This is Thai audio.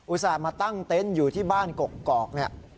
อุตส่าห์มาตั้งเตนท์อยู่ที่บ้านกกอก